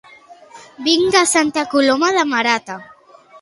Vinc de Santa Coloma de Marata